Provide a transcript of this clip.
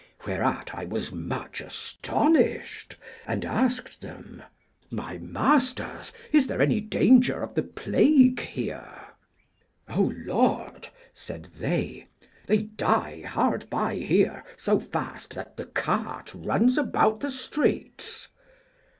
Whereat I was much astonished, and asked them, My masters, is there any danger of the plague here? O Lord! said they, they die hard by here so fast that the cart runs about the streets.